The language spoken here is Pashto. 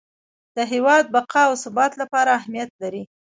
د هیواد بقا او ثبات لپاره اهمیت لري.